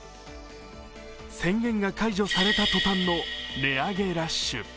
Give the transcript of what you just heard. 宣言が解除された途端の値上げラッシュ。